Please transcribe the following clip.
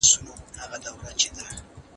ښوونکی زدهکوونکي د آینده ژوند لپاره چمتو کوي.